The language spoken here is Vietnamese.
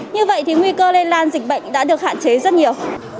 như vậy thì nguy cơ lây lan dịch bệnh đã được hạn chế rất nhiều